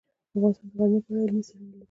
افغانستان د غزني په اړه علمي څېړنې لري.